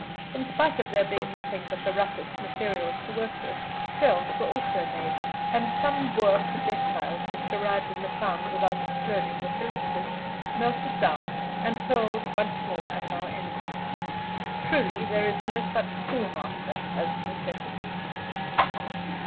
In spite of there being nothing but the roughest materials to work with, shells were also made, and some Boer projectiles which arrived in the town without exploding were collected, melted down, and hurled once more at our enemy. Truly, there is no such schoolmaster as necessity.